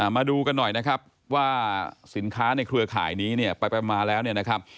มาดูกันหน่อยนะครับว่าสินค้าในเครือข่ายนี้เนี่ยไปมาแล้วเนี่ยนะครับ